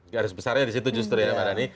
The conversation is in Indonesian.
garis besarnya di situ justru ya pak rani